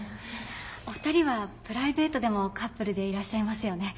お二人はプライベートでもカップルでいらっしゃいますよね。